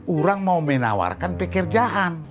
orang mau menawarkan pekerjaan